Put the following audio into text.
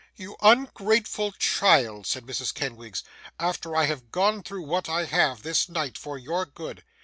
'You ungrateful child!' said Mrs. Kenwigs, 'after I have gone through what I have, this night, for your good.